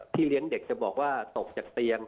เลี้ยงเด็กจะบอกว่าตกจากเตียง